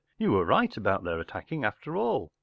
“ You were right about their attacking, after all. .